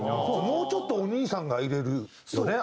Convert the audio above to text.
もうちょっとお兄さんが入れるよね